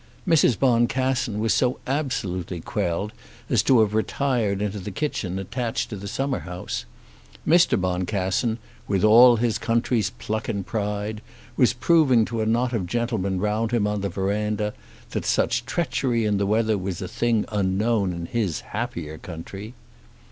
Mrs. Boncassen was so absolutely quelled as to have retired into the kitchen attached to the summer house. Mr. Boncassen, with all his country's pluck and pride, was proving to a knot of gentlemen round him on the verandah, that such treachery in the weather was a thing unknown in his happier country.